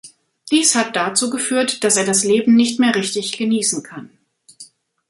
Dies hat dazu geführt, dass er das Leben nicht mehr richtig genießen kann.